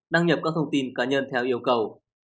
đăng nhập các thông tin cá nhân theo yêu cầu